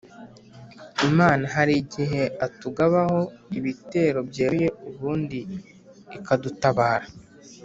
Imana hari igihe atugabaho ibitero byeruye ubundi ikadutabara